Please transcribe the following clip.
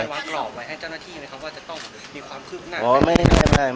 นี่มันวางกรอบไว้ให้เจ้าหน้าที่ไหมคะว่าจะต้องมีความคืบหน้าที่